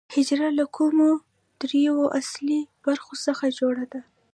حجره له کومو درېیو اصلي برخو څخه جوړه ده